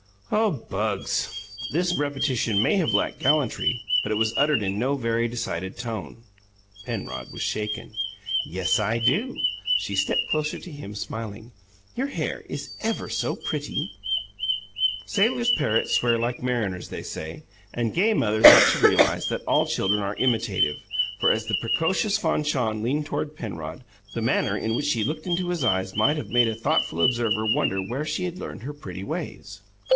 "Oh, Bugs!" This repetition may have lacked gallantry, but it was uttered in no very decided tone. Penrod was shaken. "Yes, I do!" She stepped closer to him, smiling. "Your hair is ever so pretty." Sailors' parrots swear like mariners, they say; and gay mothers ought to realize that all children are imitative, for, as the precocious Fanchon leaned toward Penrod, the manner in which she looked into his eyes might have made a thoughtful observer wonder where she had learned her pretty ways.